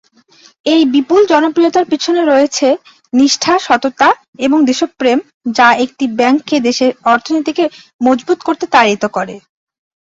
এই বিপুল জনপ্রিয়তার পেছনে রয়েছে নিষ্ঠা, সততা এবং দেশপ্রেম যা একটি ব্যাংককে দেশের অর্থনীতিকে মজবুত করতে তাড়িত করে।